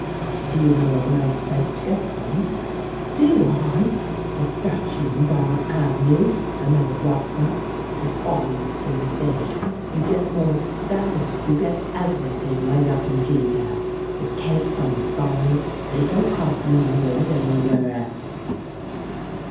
"Do you know of a nice place to get some?" "Do I? The Dutchman's, on the av'noo, another block up, is the finest in the city. You get mo that is, you get everything 'way up in G there, with cakes on the side, and it don't cost no more than anywhere else."